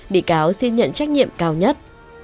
bị cáo xin nhận trách nhiệm cao nhất